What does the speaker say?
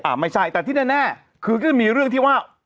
ไม่ใช่แต่ที่แน่คือก็จะมีเรื่องที่ว่า